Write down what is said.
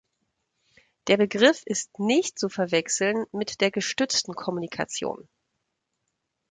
Der Begriff ist nicht zu verwechseln mit der gestützten Kommunikation.